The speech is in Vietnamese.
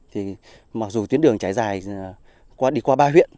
thì mặc dù tuyến đường trải dài qua đi qua ba huyện